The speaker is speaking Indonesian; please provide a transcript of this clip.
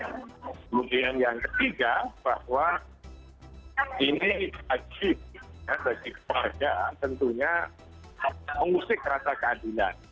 kemudian yang ketiga bahwa ini wajib bagi keluarga tentunya mengusik rasa keadilan